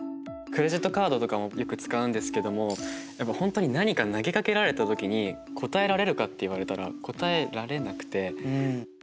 クレジットカードとかもよく使うんですけども本当に何か投げかけられた時に答えられるかって言われたら答えられなくて。